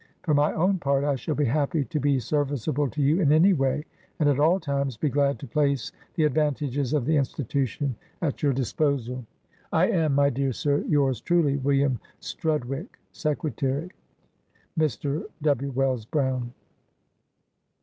For my own part, I shall be happy to be serviceable to you in any way, and at all times be glad to place the advantages of the institution at your disposal. " I am, my dear sir, yours, truly, " WILLIAM STRUDWICKE, Secretary. Mr. W. Wells Brown."